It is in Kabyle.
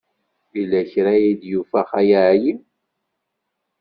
Yella kra ay d-yufa Xali Ɛli.